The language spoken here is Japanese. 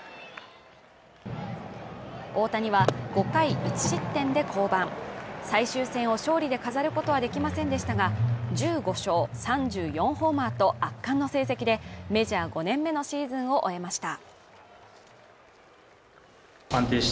大谷は５回１失点で降板最終戦を勝利で飾ることはできませんでしたが１５勝３４ホーマーと圧巻の成績でメジャー５年目のシーズンを終えました